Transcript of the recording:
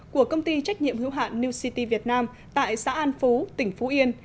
của công ty trách nhiệm hữu hạn new city việt nam tại xã an phú tỉnh phú yên